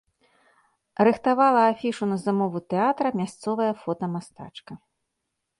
Рыхтавала афішу на замову тэатра мясцовая фотамастачка.